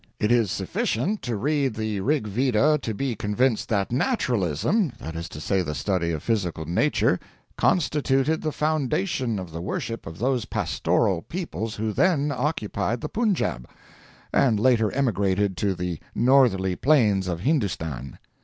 It is sufficient to read the Rig veda to be convinced that naturalism—that is to say, the study of physical nature—constituted the foundation of the worship of those pastoral peoples who then occupied the Punjaub, and later emigrated to the northerly plains of Hindoostan.